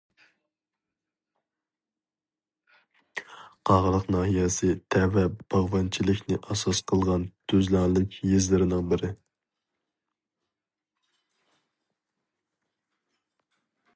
قاغىلىق ناھىيەسى تەۋە باغۋەنچىلىكنى ئاساس قىلغان تۈزلەڭلىك يېزىلىرىنىڭ بىرى.